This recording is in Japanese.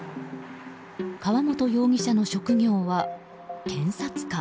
川本容疑者の職業は、検察官。